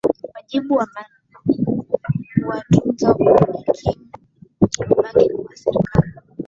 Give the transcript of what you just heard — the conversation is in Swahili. wajibu wa kuwatunza yatima unabaki kwa serikali